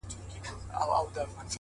په عزت په شرافت باندي پوهېږي”